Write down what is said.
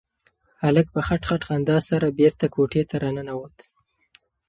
هلک په خټ خټ خندا سره بېرته کوټې ته راننوت.